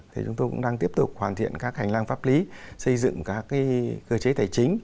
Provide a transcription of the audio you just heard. thì chúng tôi cũng đang tiếp tục hoàn thiện các hành lang pháp lý xây dựng các cơ chế tài chính